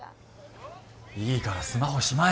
いいからスマホしまえ。